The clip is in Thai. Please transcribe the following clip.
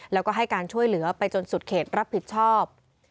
แล้วก็ให้การช่วยเหลือไปจนสุดเขตรับผิดชอบ